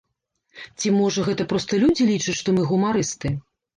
Ці, можа, гэта проста людзі лічаць, што мы гумарысты?